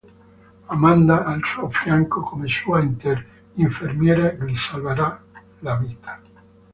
Amanda al suo fianco come sua infermiera gli salverà la vita.